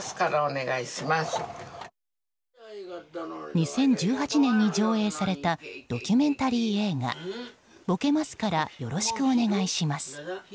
２０１８年に上映されたドキュメンタリー映画「ぼけますから、よろしくお願いします。」